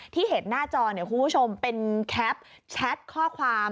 ที่เห็นหน้าจอเนี่ยคุณผู้ชมเป็นแคปแชทข้อความ